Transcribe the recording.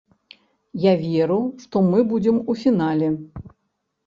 Я веру, што мы будзем у фінале.